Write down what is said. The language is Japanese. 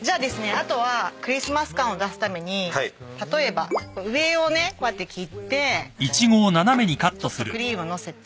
あとはクリスマス感を出すために例えば上をねこうやって切ってちょっとクリーム載せて。